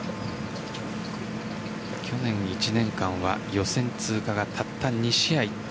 去年１年間は予選通過がたった２試合。